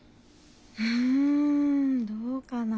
うんどうかな。